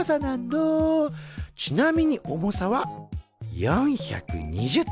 ちなみに重さは４２０ｔ。